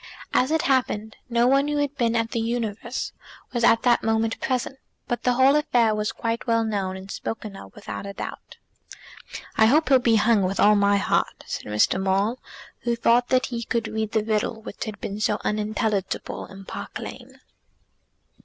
As it happened, no one who had been at The Universe was at that moment present; but the whole affair was now quite well known, and was spoken of without a doubt. "I hope he'll be hung, with all my heart," said Mr. Maule, who thought that he could read the riddle which had been so unintelligible in Park Lane.